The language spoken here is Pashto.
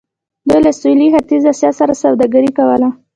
دوی له سویل ختیځې اسیا سره سوداګري کوله.